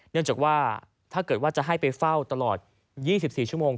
เนื่องจากว่าถ้าเกิดว่าจะให้ไปเฝ้าตลอด๒๔ชั่วโมง